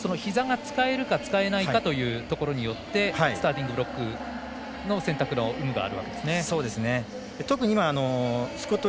ですから、足の障がいのひざが使えるか使えないかというところによってスターティングブロックの選択の有無があるわけですね。